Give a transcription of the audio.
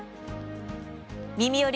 「みみより！